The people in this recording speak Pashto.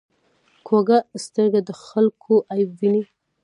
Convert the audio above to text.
کوږه سترګه د خلکو عیب ویني